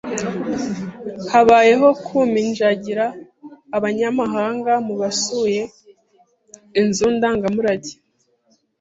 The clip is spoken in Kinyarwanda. Habayeho kuminjagira abanyamahanga mubasuye inzu ndangamurage.